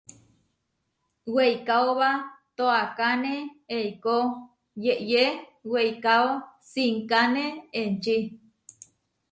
Weikáoba toakáne eikó yeʼyé weikáo sinkáne enči.